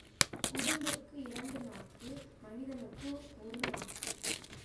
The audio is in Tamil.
உடும்புக்கு இரண்டு நாக்கு மனிதனுக்கு ஒரு நாக்கு.